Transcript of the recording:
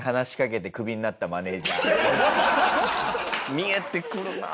見えてくるなあ。